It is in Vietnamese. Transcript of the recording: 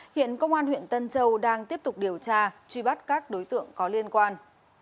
hiện công an huyện tân châu đang tiếp tục điều tra truy bắt các đối tượng có liên quan